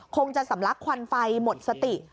คงจะสำลักควันไฟหมดสติ